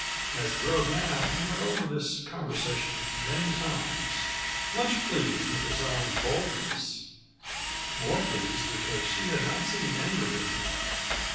As he rode now he went over this conversation many times, much pleased with his own boldness; more pleased because she had not seemed angry with him.